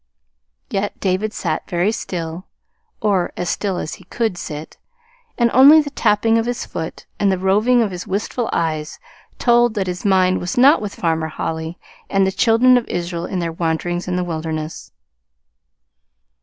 Yet David sat very still, or as still as he could sit, and only the tapping of his foot, and the roving of his wistful eyes told that his mind was not with Farmer Holly and the Children of Israel in their wanderings in the wilderness.